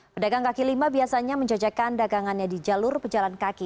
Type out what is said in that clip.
pedagang kaki lima biasanya menjajakan dagangannya di jalur pejalan kaki